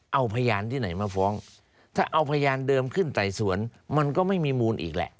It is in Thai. เอาพยานที่ไหนมาฟ้องถ้าเอาพยานเดิมขึ้นไต่สวนมันก็ไม่มีมูลอีกแหละ